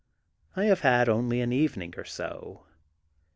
I have had only an evening or so.